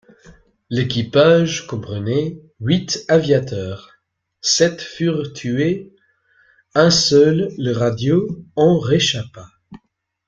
L'équipage comprenait huit aviateurs: sept furent tués, un seul, le radio, en réchappa.